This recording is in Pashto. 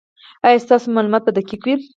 ایا ستاسو معلومات به دقیق وي؟